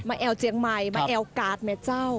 แอวเจียงใหม่มาแอวกาดไหมเจ้า